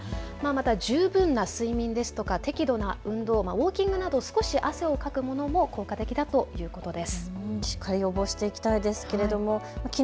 また十分な睡眠ですとか適度な運動、ウォーキングなど少し汗をかくのも効果的だということです。